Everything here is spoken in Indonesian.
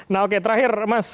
nah oke terakhir mas